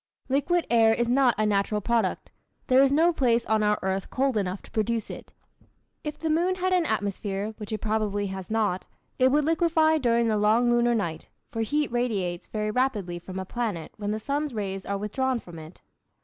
Liquid air is not a natural product. There is no place on our earth cold enough to produce it. If the moon had an atmosphere (which it probably has not) it would liquefy during the long lunar night, for heat radiates very rapidly from a planet when the sun's rays are withdrawn from it.